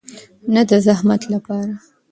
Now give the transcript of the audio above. نه د زحمت لپاره.